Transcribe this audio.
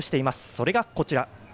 それがこちら。